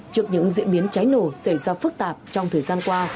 trước những diễn biến cháy nổ xảy ra phức tạp trong thời gian qua